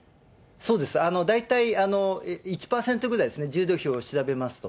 そうです、大体、１％ぐらいですね、重量比を調べますと。